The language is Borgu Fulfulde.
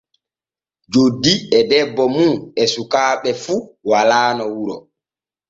Joddi e debbo mum e sukaaɓe fu walaano wuro.